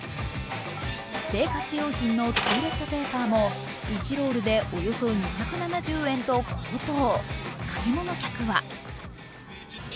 生活用品のトイレットペーパーも１ロールでおよそ２７０円と高騰。